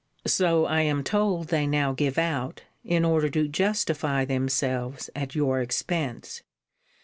So I am told they now give out, in order to justify themselves at your expense.